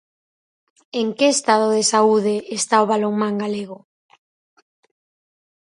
En que estado de saúde está o balonmán galego?